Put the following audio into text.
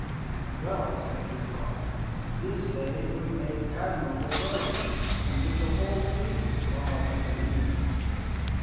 "Well," said Pencroft, "this bay would make admirable roads, in which a whole fleet could lie at their ease!"